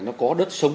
nó có đất sống